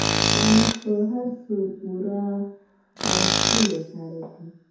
احمد په هر څه پوره او ښکلی سړی دی.